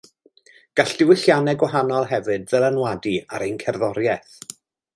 Gall diwylliannau gwahanol hefyd ddylanwadu ar ein cerddoriaeth